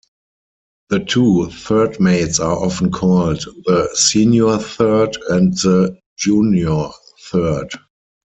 The two Third Mates are often called the Senior Third and the Junior Third.